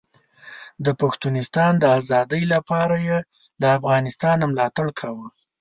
د پښتونستان د ازادۍ لپاره یې له افغانانو ملاتړ کاوه.